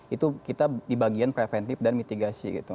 itu kita di bagian preventif dan mitigasi gitu